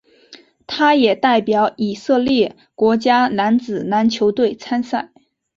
他也代表以色列国家男子篮球队参赛。